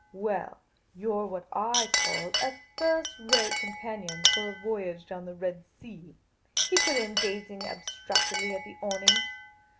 " Well, you 're what I call a first rate companion for a voyage down the Red Sea," he put in, gazing abstractedly at the awnings.